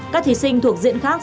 các thí sinh thuộc diện khác